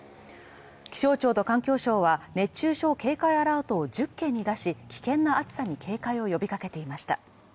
気象庁と環境省は熱中症警戒アラートを１０県に出し、危険な暑さに警戒を呼びかけていました。